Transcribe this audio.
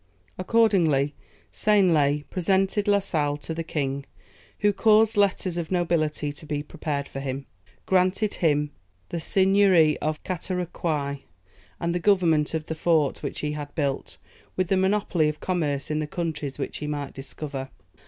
Accordingly, Seignelay presented La Sale to the king, who caused letters of nobility to be prepared for him, granted him the Seignory of Catarocouy, and the government of the fort which he had built, with the monopoly of commerce in the countries which he might discover.